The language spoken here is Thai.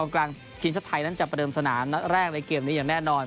กลางทีมชาติไทยนั้นจะประเดิมสนามนัดแรกในเกมนี้อย่างแน่นอน